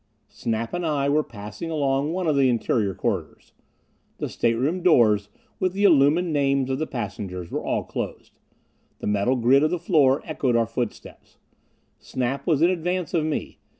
Snap and I were passing along one of the interior corridors. The stateroom doors, with the illumined names of the passengers, were all closed. The metal grid of the floor echoed our footsteps. Snap was in advance of me.